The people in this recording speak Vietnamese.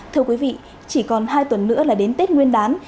thưa quý vị chỉ còn hai tuần nữa là đến tết nguyên đán